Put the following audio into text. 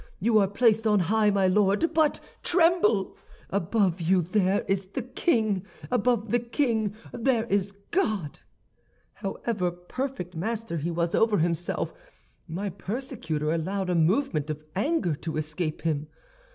You are placed on high, my Lord, but tremble! Above you there is the king; above the king there is God!' "However perfect master he was over himself, my persecutor allowed a movement of anger to escape him.